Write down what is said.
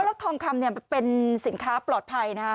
แล้วทองคำเป็นสินค้าปลอดภัยนะฮะ